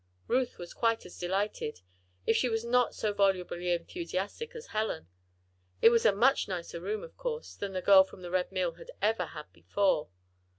Ruth was quite as delighted, if she was not so volubly enthusiastic as Helen. It was a much nicer room, of course, than the girl from the Red Mill had ever had before.